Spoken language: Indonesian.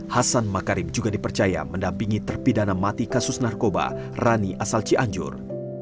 hasan makarim juga dipercaya mendampingi terpidana mati kasus narkoba rani asal cianjur